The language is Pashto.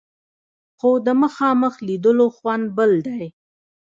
خو د مخامخ لیدلو خوند بل دی.